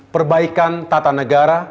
perbaikan tata negara